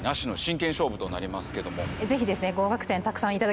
ぜひですね。